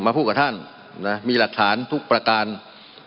มันมีมาต่อเนื่องมีเหตุการณ์ที่ไม่เคยเกิดขึ้น